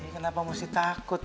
kenapa mesti takut